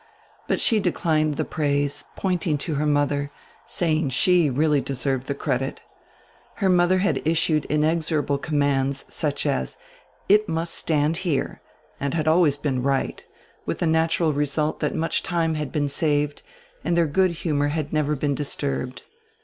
But she declined the praise, pointing to her mother, saying she really deserved die credit Her modier had issued inexorable commands, such as, "It must stand here," and had always been right, widi die natural result diat much time had been saved and dieir good humor had never been disturbed.